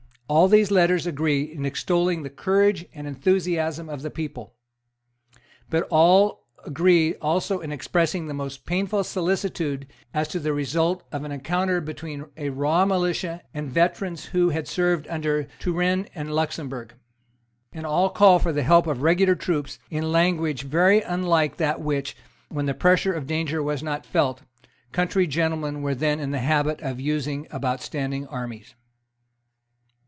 All these letters agree in extolling the courage and enthusiasm of the people. But all agree also in expressing the most painful solicitude as to the result of an encounter between a raw militia and veterans who had served under Turenne and Luxemburg; and all call for the help of regular troops, in language very unlike that which, when the pressure of danger was not felt, country gentlemen were then in the habit of using about standing armies.